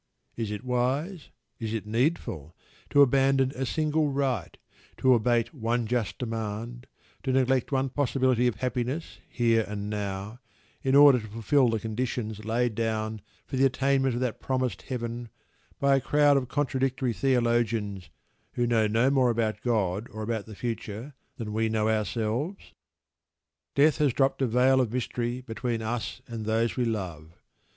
Is it wise, is it needful, to abandon a single right, to abate one just demand, to neglect one possibility of happiness here and now, in order to fulfil the conditions laid down for the attainment of that promised Heaven by a crowd of contradictory theologians who know no more about God or about the future than we know ourselves? Death has dropped a curtain of mystery between us and those we love.